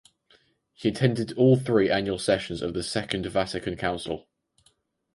He attended all three annual sessions of the Second Vatican Council.